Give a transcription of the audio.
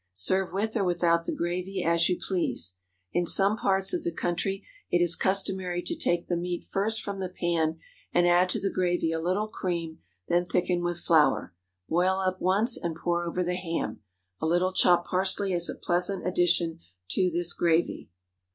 Serve with or without the gravy, as you please. In some parts of the country it is customary to take the meat first from the pan, and add to the gravy a little cream, then thicken with flour. Boil up once and pour over the ham. A little chopped parsley is a pleasant addition to this gravy.